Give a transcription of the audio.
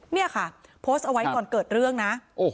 นี่ค่ะโพสต์เอาไว้ก่อนเกิดเรื่องนะ